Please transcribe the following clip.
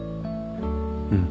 うん。